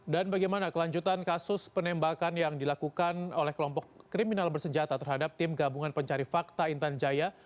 dan bagaimana kelanjutan kasus penembakan yang dilakukan oleh kelompok kriminal bersenjata terhadap tim gabungan pencari fakta intan jaya